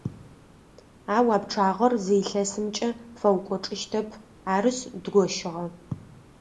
Ау а пчъагъэр зы илъэсымкӏэ пфэукӏочӏыщтэп, арышъ, дгощыгъэ.